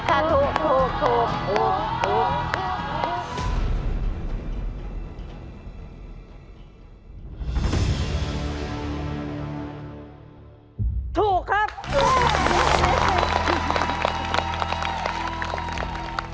เพราะว่าตลาดไทยนะครับมีพื้นที่มากกว่าตลาด๔มุมเมืองนะครับ